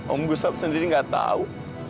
om gustaf sendiri gak tau